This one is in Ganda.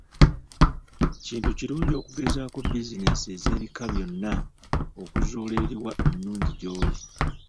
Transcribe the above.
Kintu kirungi okugezaako bizinensi ez'ebika byonna okuzuula eriwa ennungi gy'oli.